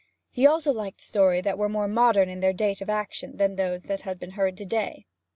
He also liked stories that were more modern in their date of action than those he had heard to day.